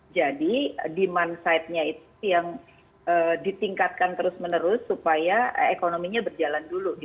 jadi demand side nya itu yang ditingkatkan terus menerus supaya ekonominya berjalan dulu